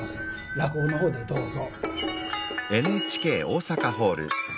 落語の方でどうぞ。